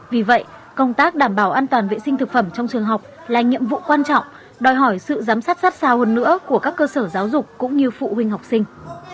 vì vậy công tác đảm bảo an toàn vệ sinh thực phẩm trong trường học là nhiệm vụ quan trọng đòi hỏi sự giám sát sát sao hơn nữa của các cơ sở giáo dục cũng như phụ huynh học sinh